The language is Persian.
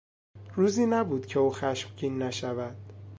روزی نبود که او خشمگین نشود.